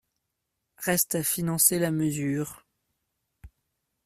Reste à financer la mesure.